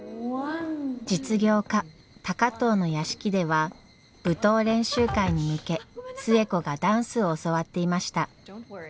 実業家高藤の屋敷では舞踏練習会に向け寿恵子がダンスを教わっていました。